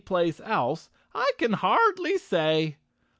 place else, I can hardly say.